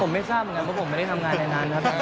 ผมไม่ทราบเหมือนกันเพราะผมไม่ได้ทำงานในนั้นครับ